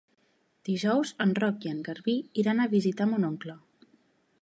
Dijous en Roc i en Garbí iran a visitar mon oncle.